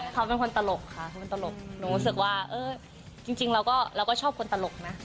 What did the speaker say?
เขาเป็นคนตลกค่ะมันตลกหนูรู้สึกว่าเออจริงเราก็ชอบคนตลกนะ